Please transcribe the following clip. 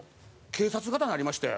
警察沙汰になりまして。